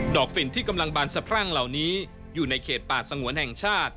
ฝิ่นที่กำลังบานสะพรั่งเหล่านี้อยู่ในเขตป่าสงวนแห่งชาติ